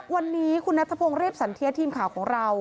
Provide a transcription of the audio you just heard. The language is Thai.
วันนี้คุณนัทพงศ์เรียบสันเทียทีมข่าวของเรา